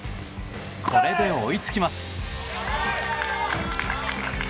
これで追いつきます。